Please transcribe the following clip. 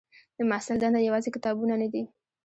د محصل دنده یوازې کتابونه نه دي.